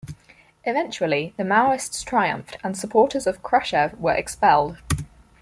Eventually, the Maoists triumphed, and supporters of Khrushchev were expelled.